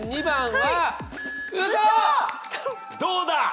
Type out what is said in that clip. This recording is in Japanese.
どうだ！？